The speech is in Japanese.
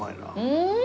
うん！